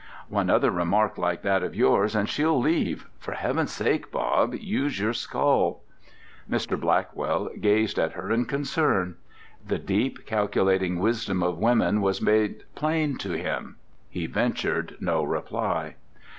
One other remark like that of yours and she'll leave. For heaven's sake, Bob, use your skull!" Mr. Blackwell gazed at her in concern. The deep, calculating wisdom of women was made plain to him. He ventured no reply.